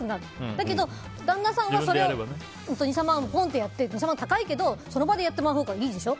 だけど旦那さんは２３万をポンとやって、高いけどその場でやったほうがいいでしょ